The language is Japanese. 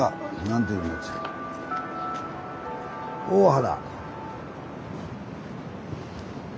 大原。